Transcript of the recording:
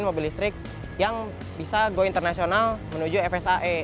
mobil listrik yang bisa go internasional menuju fsa